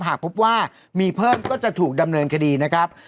หากพบว่ามีเพิ่มก็จะถูกดำเนินคดีนะครับ